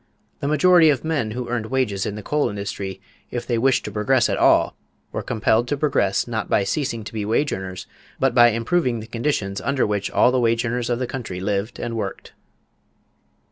The majority of men who earned wages in the coal industry, if they wished to progress at all, were compelled to progress not by ceasing to be wage earners but by improving the conditions under which all the wage earners of the country lived and worked."